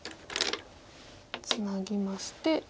ツナぎまして。